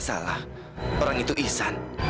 salah orang itu ihsan